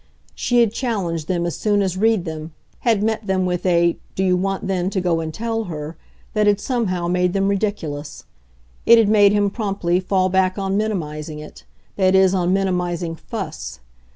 She had challenged them as soon as read them, had met them with a "Do you want then to go and tell her?" that had somehow made them ridiculous. It had made him, promptly, fall back on minimizing it that is on minimizing "fuss."